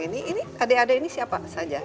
ini adik adik ini siapa saja